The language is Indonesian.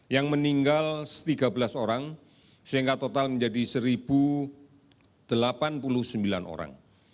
yang meninggal tiga belas orang sehingga total menjadi satu delapan puluh sembilan orang